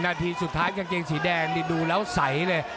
นาทีสุดท้ายกางเกงสีแดงนี่ดูแล้วใสเลย